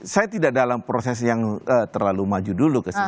saya tidak dalam proses yang terlalu maju dulu ke sini